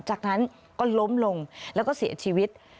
จากนั้นก็ล้มลงแล้วก็เสียชีวิต